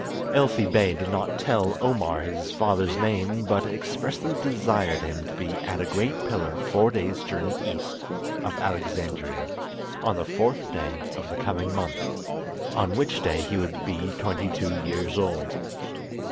Elfi Bey did not tell Omar his father's name, but expressly desired him to be at a great pillar four days' journey east of Alexandria on the fourth day of the coming month, on which day he would be twenty two years old.